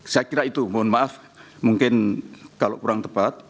saya kira itu mohon maaf mungkin kalau kurang tepat